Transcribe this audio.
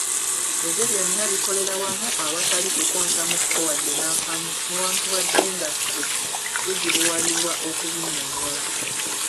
Ebyo byonna bikolera wamu awatali kukontamuuko wadde nakamu , newankubadde nga ffe tuzibuwalirwa okubinyonyola.